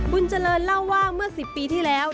บุญเจริญเล่าว่าเมื่อ๑๐ปีที่แล้ว